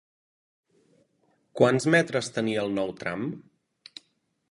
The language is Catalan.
Quants metres tenia el nou tram?